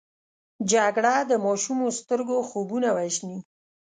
جګړه د ماشومو سترګو خوبونه وژني